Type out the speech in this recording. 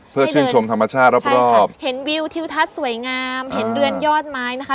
เพื่อชื่นชมธรรมชาติรอบรอบเห็นวิวทิวทัศน์สวยงามเห็นเรือนยอดไม้นะคะ